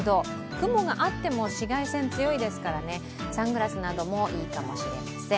雲があっても紫外線強いですからサングラスなどもいいかもしれません。